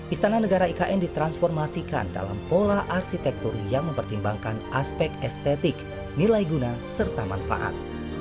istana negara ikn ditransformasikan dalam pola arsitektur yang mempertimbangkan aspek estetik nilai guna serta manfaat